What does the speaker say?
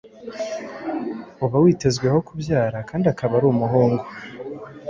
uba witezweho kubyara kandi akaba ari umuhungu